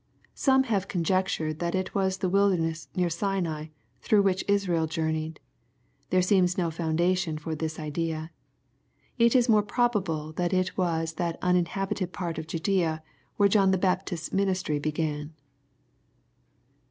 Some have conjectured that it was the wilderness near Sinai, through which Israel journeyed. There seems no foundation for this idea. It is more probable that it was that uninhabited part of Judea where John the Baptist's ministry began.